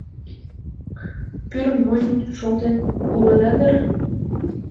Пӱрым монь шолтен улыда дыр?